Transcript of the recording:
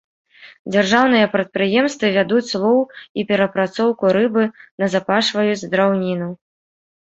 Дзяржаўныя прадпрыемствы вядуць лоў і перапрацоўку рыбы, назапашваюць драўніну.